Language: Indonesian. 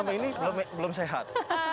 emang sebelum ini belum sehat